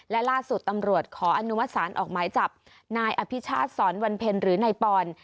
และล่าสุดตำรวจขออนุมสารออกหมายจับนายอภิชาศสอนวันเพลินหรือไนปร